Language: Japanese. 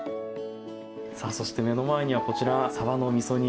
さあそして目の前にはこちら「サバのみそ煮」。